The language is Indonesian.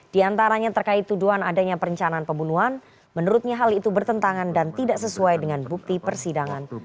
di antaranya terkait tuduhan adanya perencanaan pembunuhan menurutnya hal itu bertentangan dan tidak sesuai dengan bukti persidangan